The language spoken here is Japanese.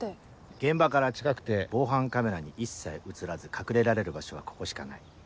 現場から近くて防犯カメラに一切写らず隠れられる場所はここしかない。